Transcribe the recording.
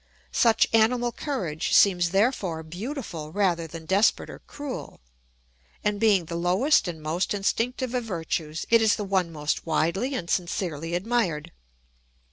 Such animal courage seems therefore beautiful rather than desperate or cruel, and being the lowest and most instinctive of virtues it is the one most widely and sincerely admired.